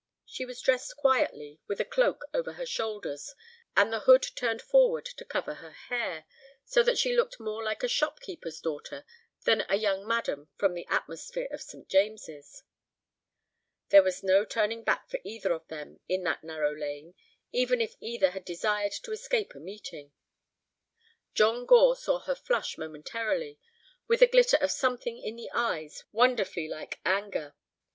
She was dressed quietly, with a cloak over her shoulders, and the hood turned forward to cover her hair, so that she looked more like a shopkeeper's daughter than a young madam from the atmosphere of St. James's. There was no turning back for either of them in that narrow lane, even if either had desired to escape a meeting. John Gore saw her flush momentarily, with a glitter of something in the eyes wonderfully like anger.